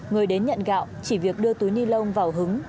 người đến nhận gạo chỉ việc đưa túi ni lông vào hứng